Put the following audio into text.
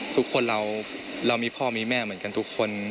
ทุกคนเรามีพ่อมีแม่เหมือนกันทุกคน